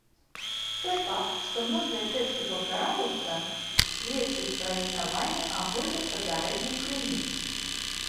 Той факт, што многія тэксты паўтараюцца, сведчыць пра існаванне агульных папярэдніх крыніц.